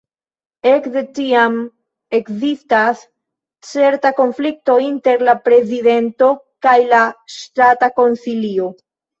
Ekde tiam ekzistas certa konflikto inter la prezidento kaj la Ŝtata Konsilio.